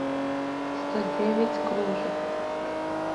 сто девять кружек